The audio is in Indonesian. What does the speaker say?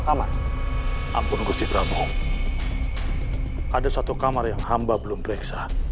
kamar gusti ratu subang larang